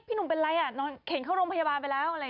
พี่หนุ่มเป็นไรเข็นเข้าโรงพยาบาลไปแล้ว